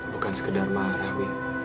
bukan sekedar marah wi